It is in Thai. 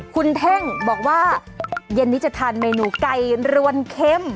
คุณแท่งบอกว่าเย็นนี้จะทานเมนูไก่รวนเข้ม